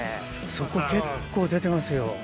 そこ結構出てますよ。